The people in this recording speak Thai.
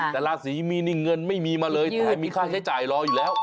แต่ราศีมีนี่เงินไม่มีมาเลยไทยมีค่าใช้จ่ายรออยู่แล้ว